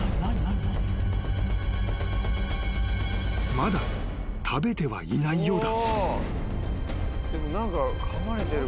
［まだ食べてはいないようだ］